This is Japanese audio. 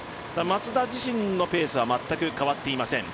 松田自身のペースは全く変わっていません。